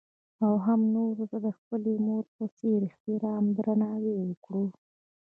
او هـم نـورو تـه د خـپلې مـور پـه څـېـر احتـرام او درنـاوى وکـړي.